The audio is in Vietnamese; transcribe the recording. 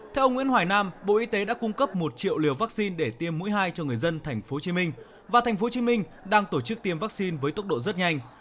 theo nguyễn hoài nam bộ y tế đã cung cấp một triệu liều vaccine để tiêm mũi hai cho người dân thành phố hồ chí minh và thành phố hồ chí minh đang tổ chức tiêm vaccine với tốc độ rất nhanh